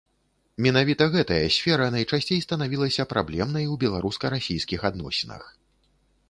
Менавіта гэтая сфера найчасцей станавілася праблемнай у беларуска-расійскіх адносінах.